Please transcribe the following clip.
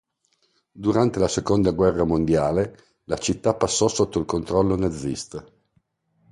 Durante la seconda guerra mondiale, la città passò sotto il controllo nazista.